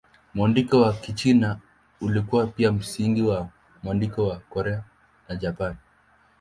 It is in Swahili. Mwandiko wa Kichina ulikuwa pia msingi wa mwandiko wa Korea na Japani.